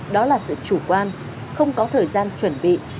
đó là sự chủ quan không có thời gian chuẩn bị